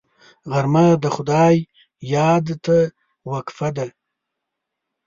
غرمه د خدای یاد ته وقفه ده